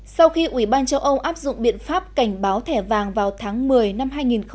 sau khi ủy ban châu âu áp dụng biện pháp cảnh báo thẻ vàng vào tháng một mươi năm hai nghìn một mươi chín